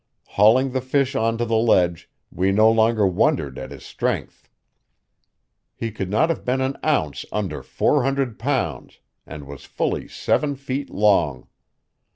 Hauling the fish onto the ledge, we no longer wondered at his strength. He could not have been an ounce under four hundred pounds, and was fully seven feet long.